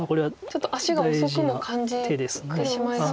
ちょっと足が遅くも感じてしまいそう。